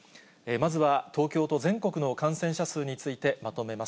まずは東京と全国の感染者数について、まとめます。